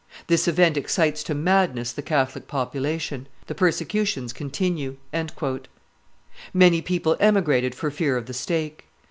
This event excites to madness the Catholic population. The persecutions continue." Many people emigrated for fear of the stake.